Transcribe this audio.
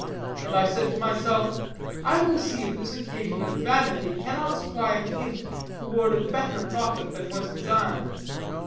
And I said to myself, I will see if this occasion of vanity cannot supply a hint toward a better profit than was designed.